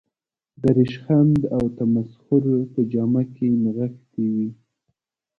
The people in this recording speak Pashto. د رشخند او تمسخر په جامه کې نغښتې وي.